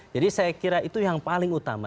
jadi saya kira itu yang paling utama